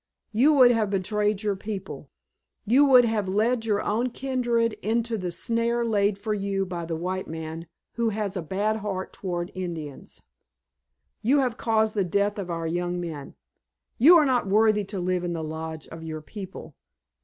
You would have betrayed your people. You would have led your own kindred into the snare laid for you by the white man who has a bad heart toward Indians. You have caused the death of our young men. You are not worthy to live in the lodge of your people.